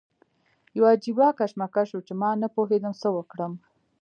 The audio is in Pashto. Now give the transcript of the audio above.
یو عجیبه کشمکش و چې ما نه پوهېدم څه وکړم.